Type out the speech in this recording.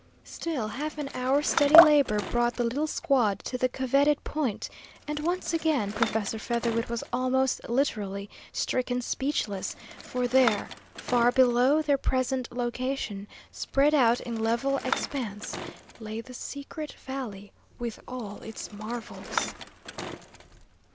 Still, half an hour's steady labour brought the little squad to the coveted point, and once again Professor Featherwit was almost literally stricken speechless, for there, far below their present location, spread out in level expanse, lay the secret valley with all its marvels.